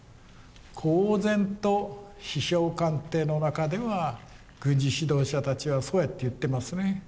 公然と首相官邸の中では軍事指導者たちはそうやって言ってますね。